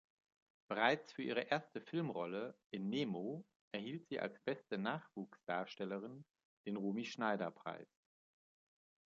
Bereits für ihre erste Filmrolle in "Nemo" erhielt sie als beste Nachwuchsdarstellerin den Romy-Schneider-Preis.